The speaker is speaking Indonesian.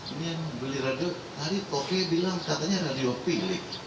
ini yang beli radio tadi koki bilang katanya radio pilih